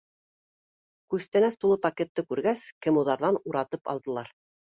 Күстәнәс тулы пакетты күргәс, кемуҙарҙан уратып алдылар.